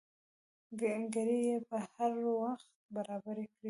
ګړۍ چې پر هر وخت برابر کړې.